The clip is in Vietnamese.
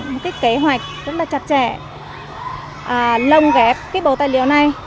cái kế hoạch rất là chặt chẽ lồng ghép cái bồ tài liệu này